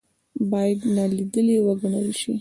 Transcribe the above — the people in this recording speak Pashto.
باید نا لیدلې وګڼل شي.